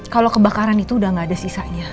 kalau kebakaran itu udah gak ada sisanya